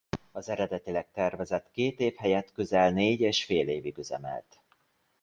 A az eredetileg tervezett két év helyett közel négy és fél évig üzemelt.